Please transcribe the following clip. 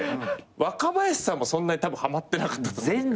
若林さんもそんなにたぶんはまってなかったと思うんすけど。